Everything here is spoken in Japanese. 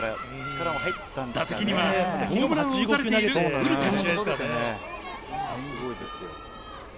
打席にはホームランを打たれているウルテス。